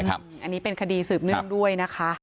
อันนี้เป็นคดีสืบเนื่องด้วยนะคะ